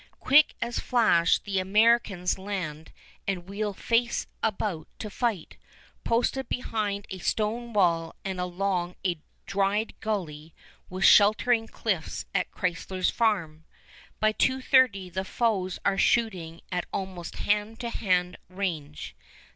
Quick as flash the Americans land and wheel face about to fight, posted behind a stone wall and along a dried gully with sheltering cliffs at Chrysler's Farm. By 2.30 the foes are shooting at almost hand to hand range.